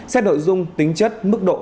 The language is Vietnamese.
xét nội dung tính chất mức độ